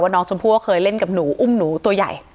ว่าน้องสมภาพเคยเล่นกับหนูอุ้มตัวใหญ่